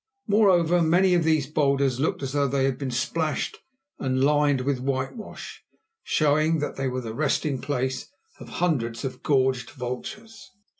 Moreover, many of these boulders looked as though they had been splashed and lined with whitewash, showing that they were the resting place of hundreds of gorged vultures.